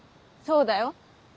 そうだよ。